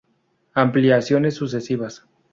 Ampliaciones sucesivas